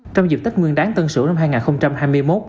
trong dịp tết nguyên đáng tân sửu năm hai nghìn hai mươi một